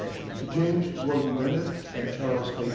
To James Gordon Bennett and Charles A.